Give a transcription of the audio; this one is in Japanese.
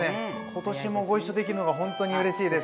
今年もご一緒できるのがほんとにうれしいです。